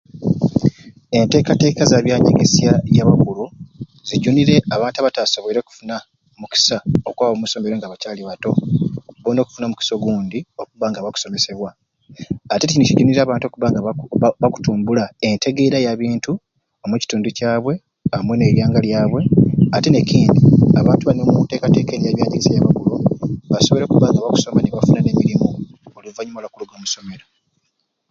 Entekateka za byanyegesya byabukulu zijunire abantu abatasoboire kufuna mukisa okwaba omu masomero nga bakyali bato bona okufuna omukisa ogundi okubba nga bakusomesebwa ate kini kijunire abantu okubba nga baku bakutumbula entegeera yabintu omukitundu kyabwe amwei neiyanga lyabwe ate nekindi abantu bani omuntekateka eni eyabyanyegesya ya bakulu basoboire okubanga bakusoma nibafuna nemirimu oluvanyuma lwakuliga omusomero.